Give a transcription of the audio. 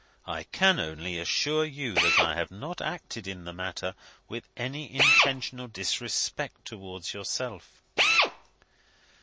I can only assure you that I have not acted in the matter with any intentional disrespect towards yourself.